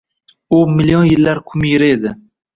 u million yillar kumiri edi.